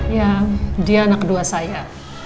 ya dia anak kedua saya